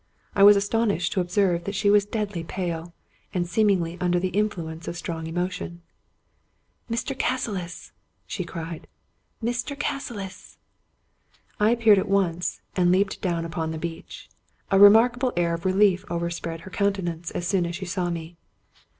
I was astonished to observe that she was deadly pale, and seemingly under the influence of strong emotion. " Mr. Cassilis! " she cried; " Mr. Cassilis! " I appeared at once, and leaped down upon the beach. A remarkable air of relief overspread her countenance as soon as she saw me.